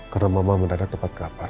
karena mama tidak ada tempat kabar